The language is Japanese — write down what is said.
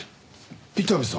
伊丹さん。